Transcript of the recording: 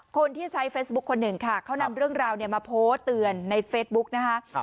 คนที่ใช้เฟซบุ๊คคนหนึ่งค่ะเขานำเรื่องราวเนี่ยมาโพสต์เตือนในเฟซบุ๊กนะคะ